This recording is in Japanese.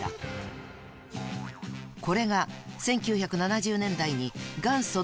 これが１９７０年代に『元祖！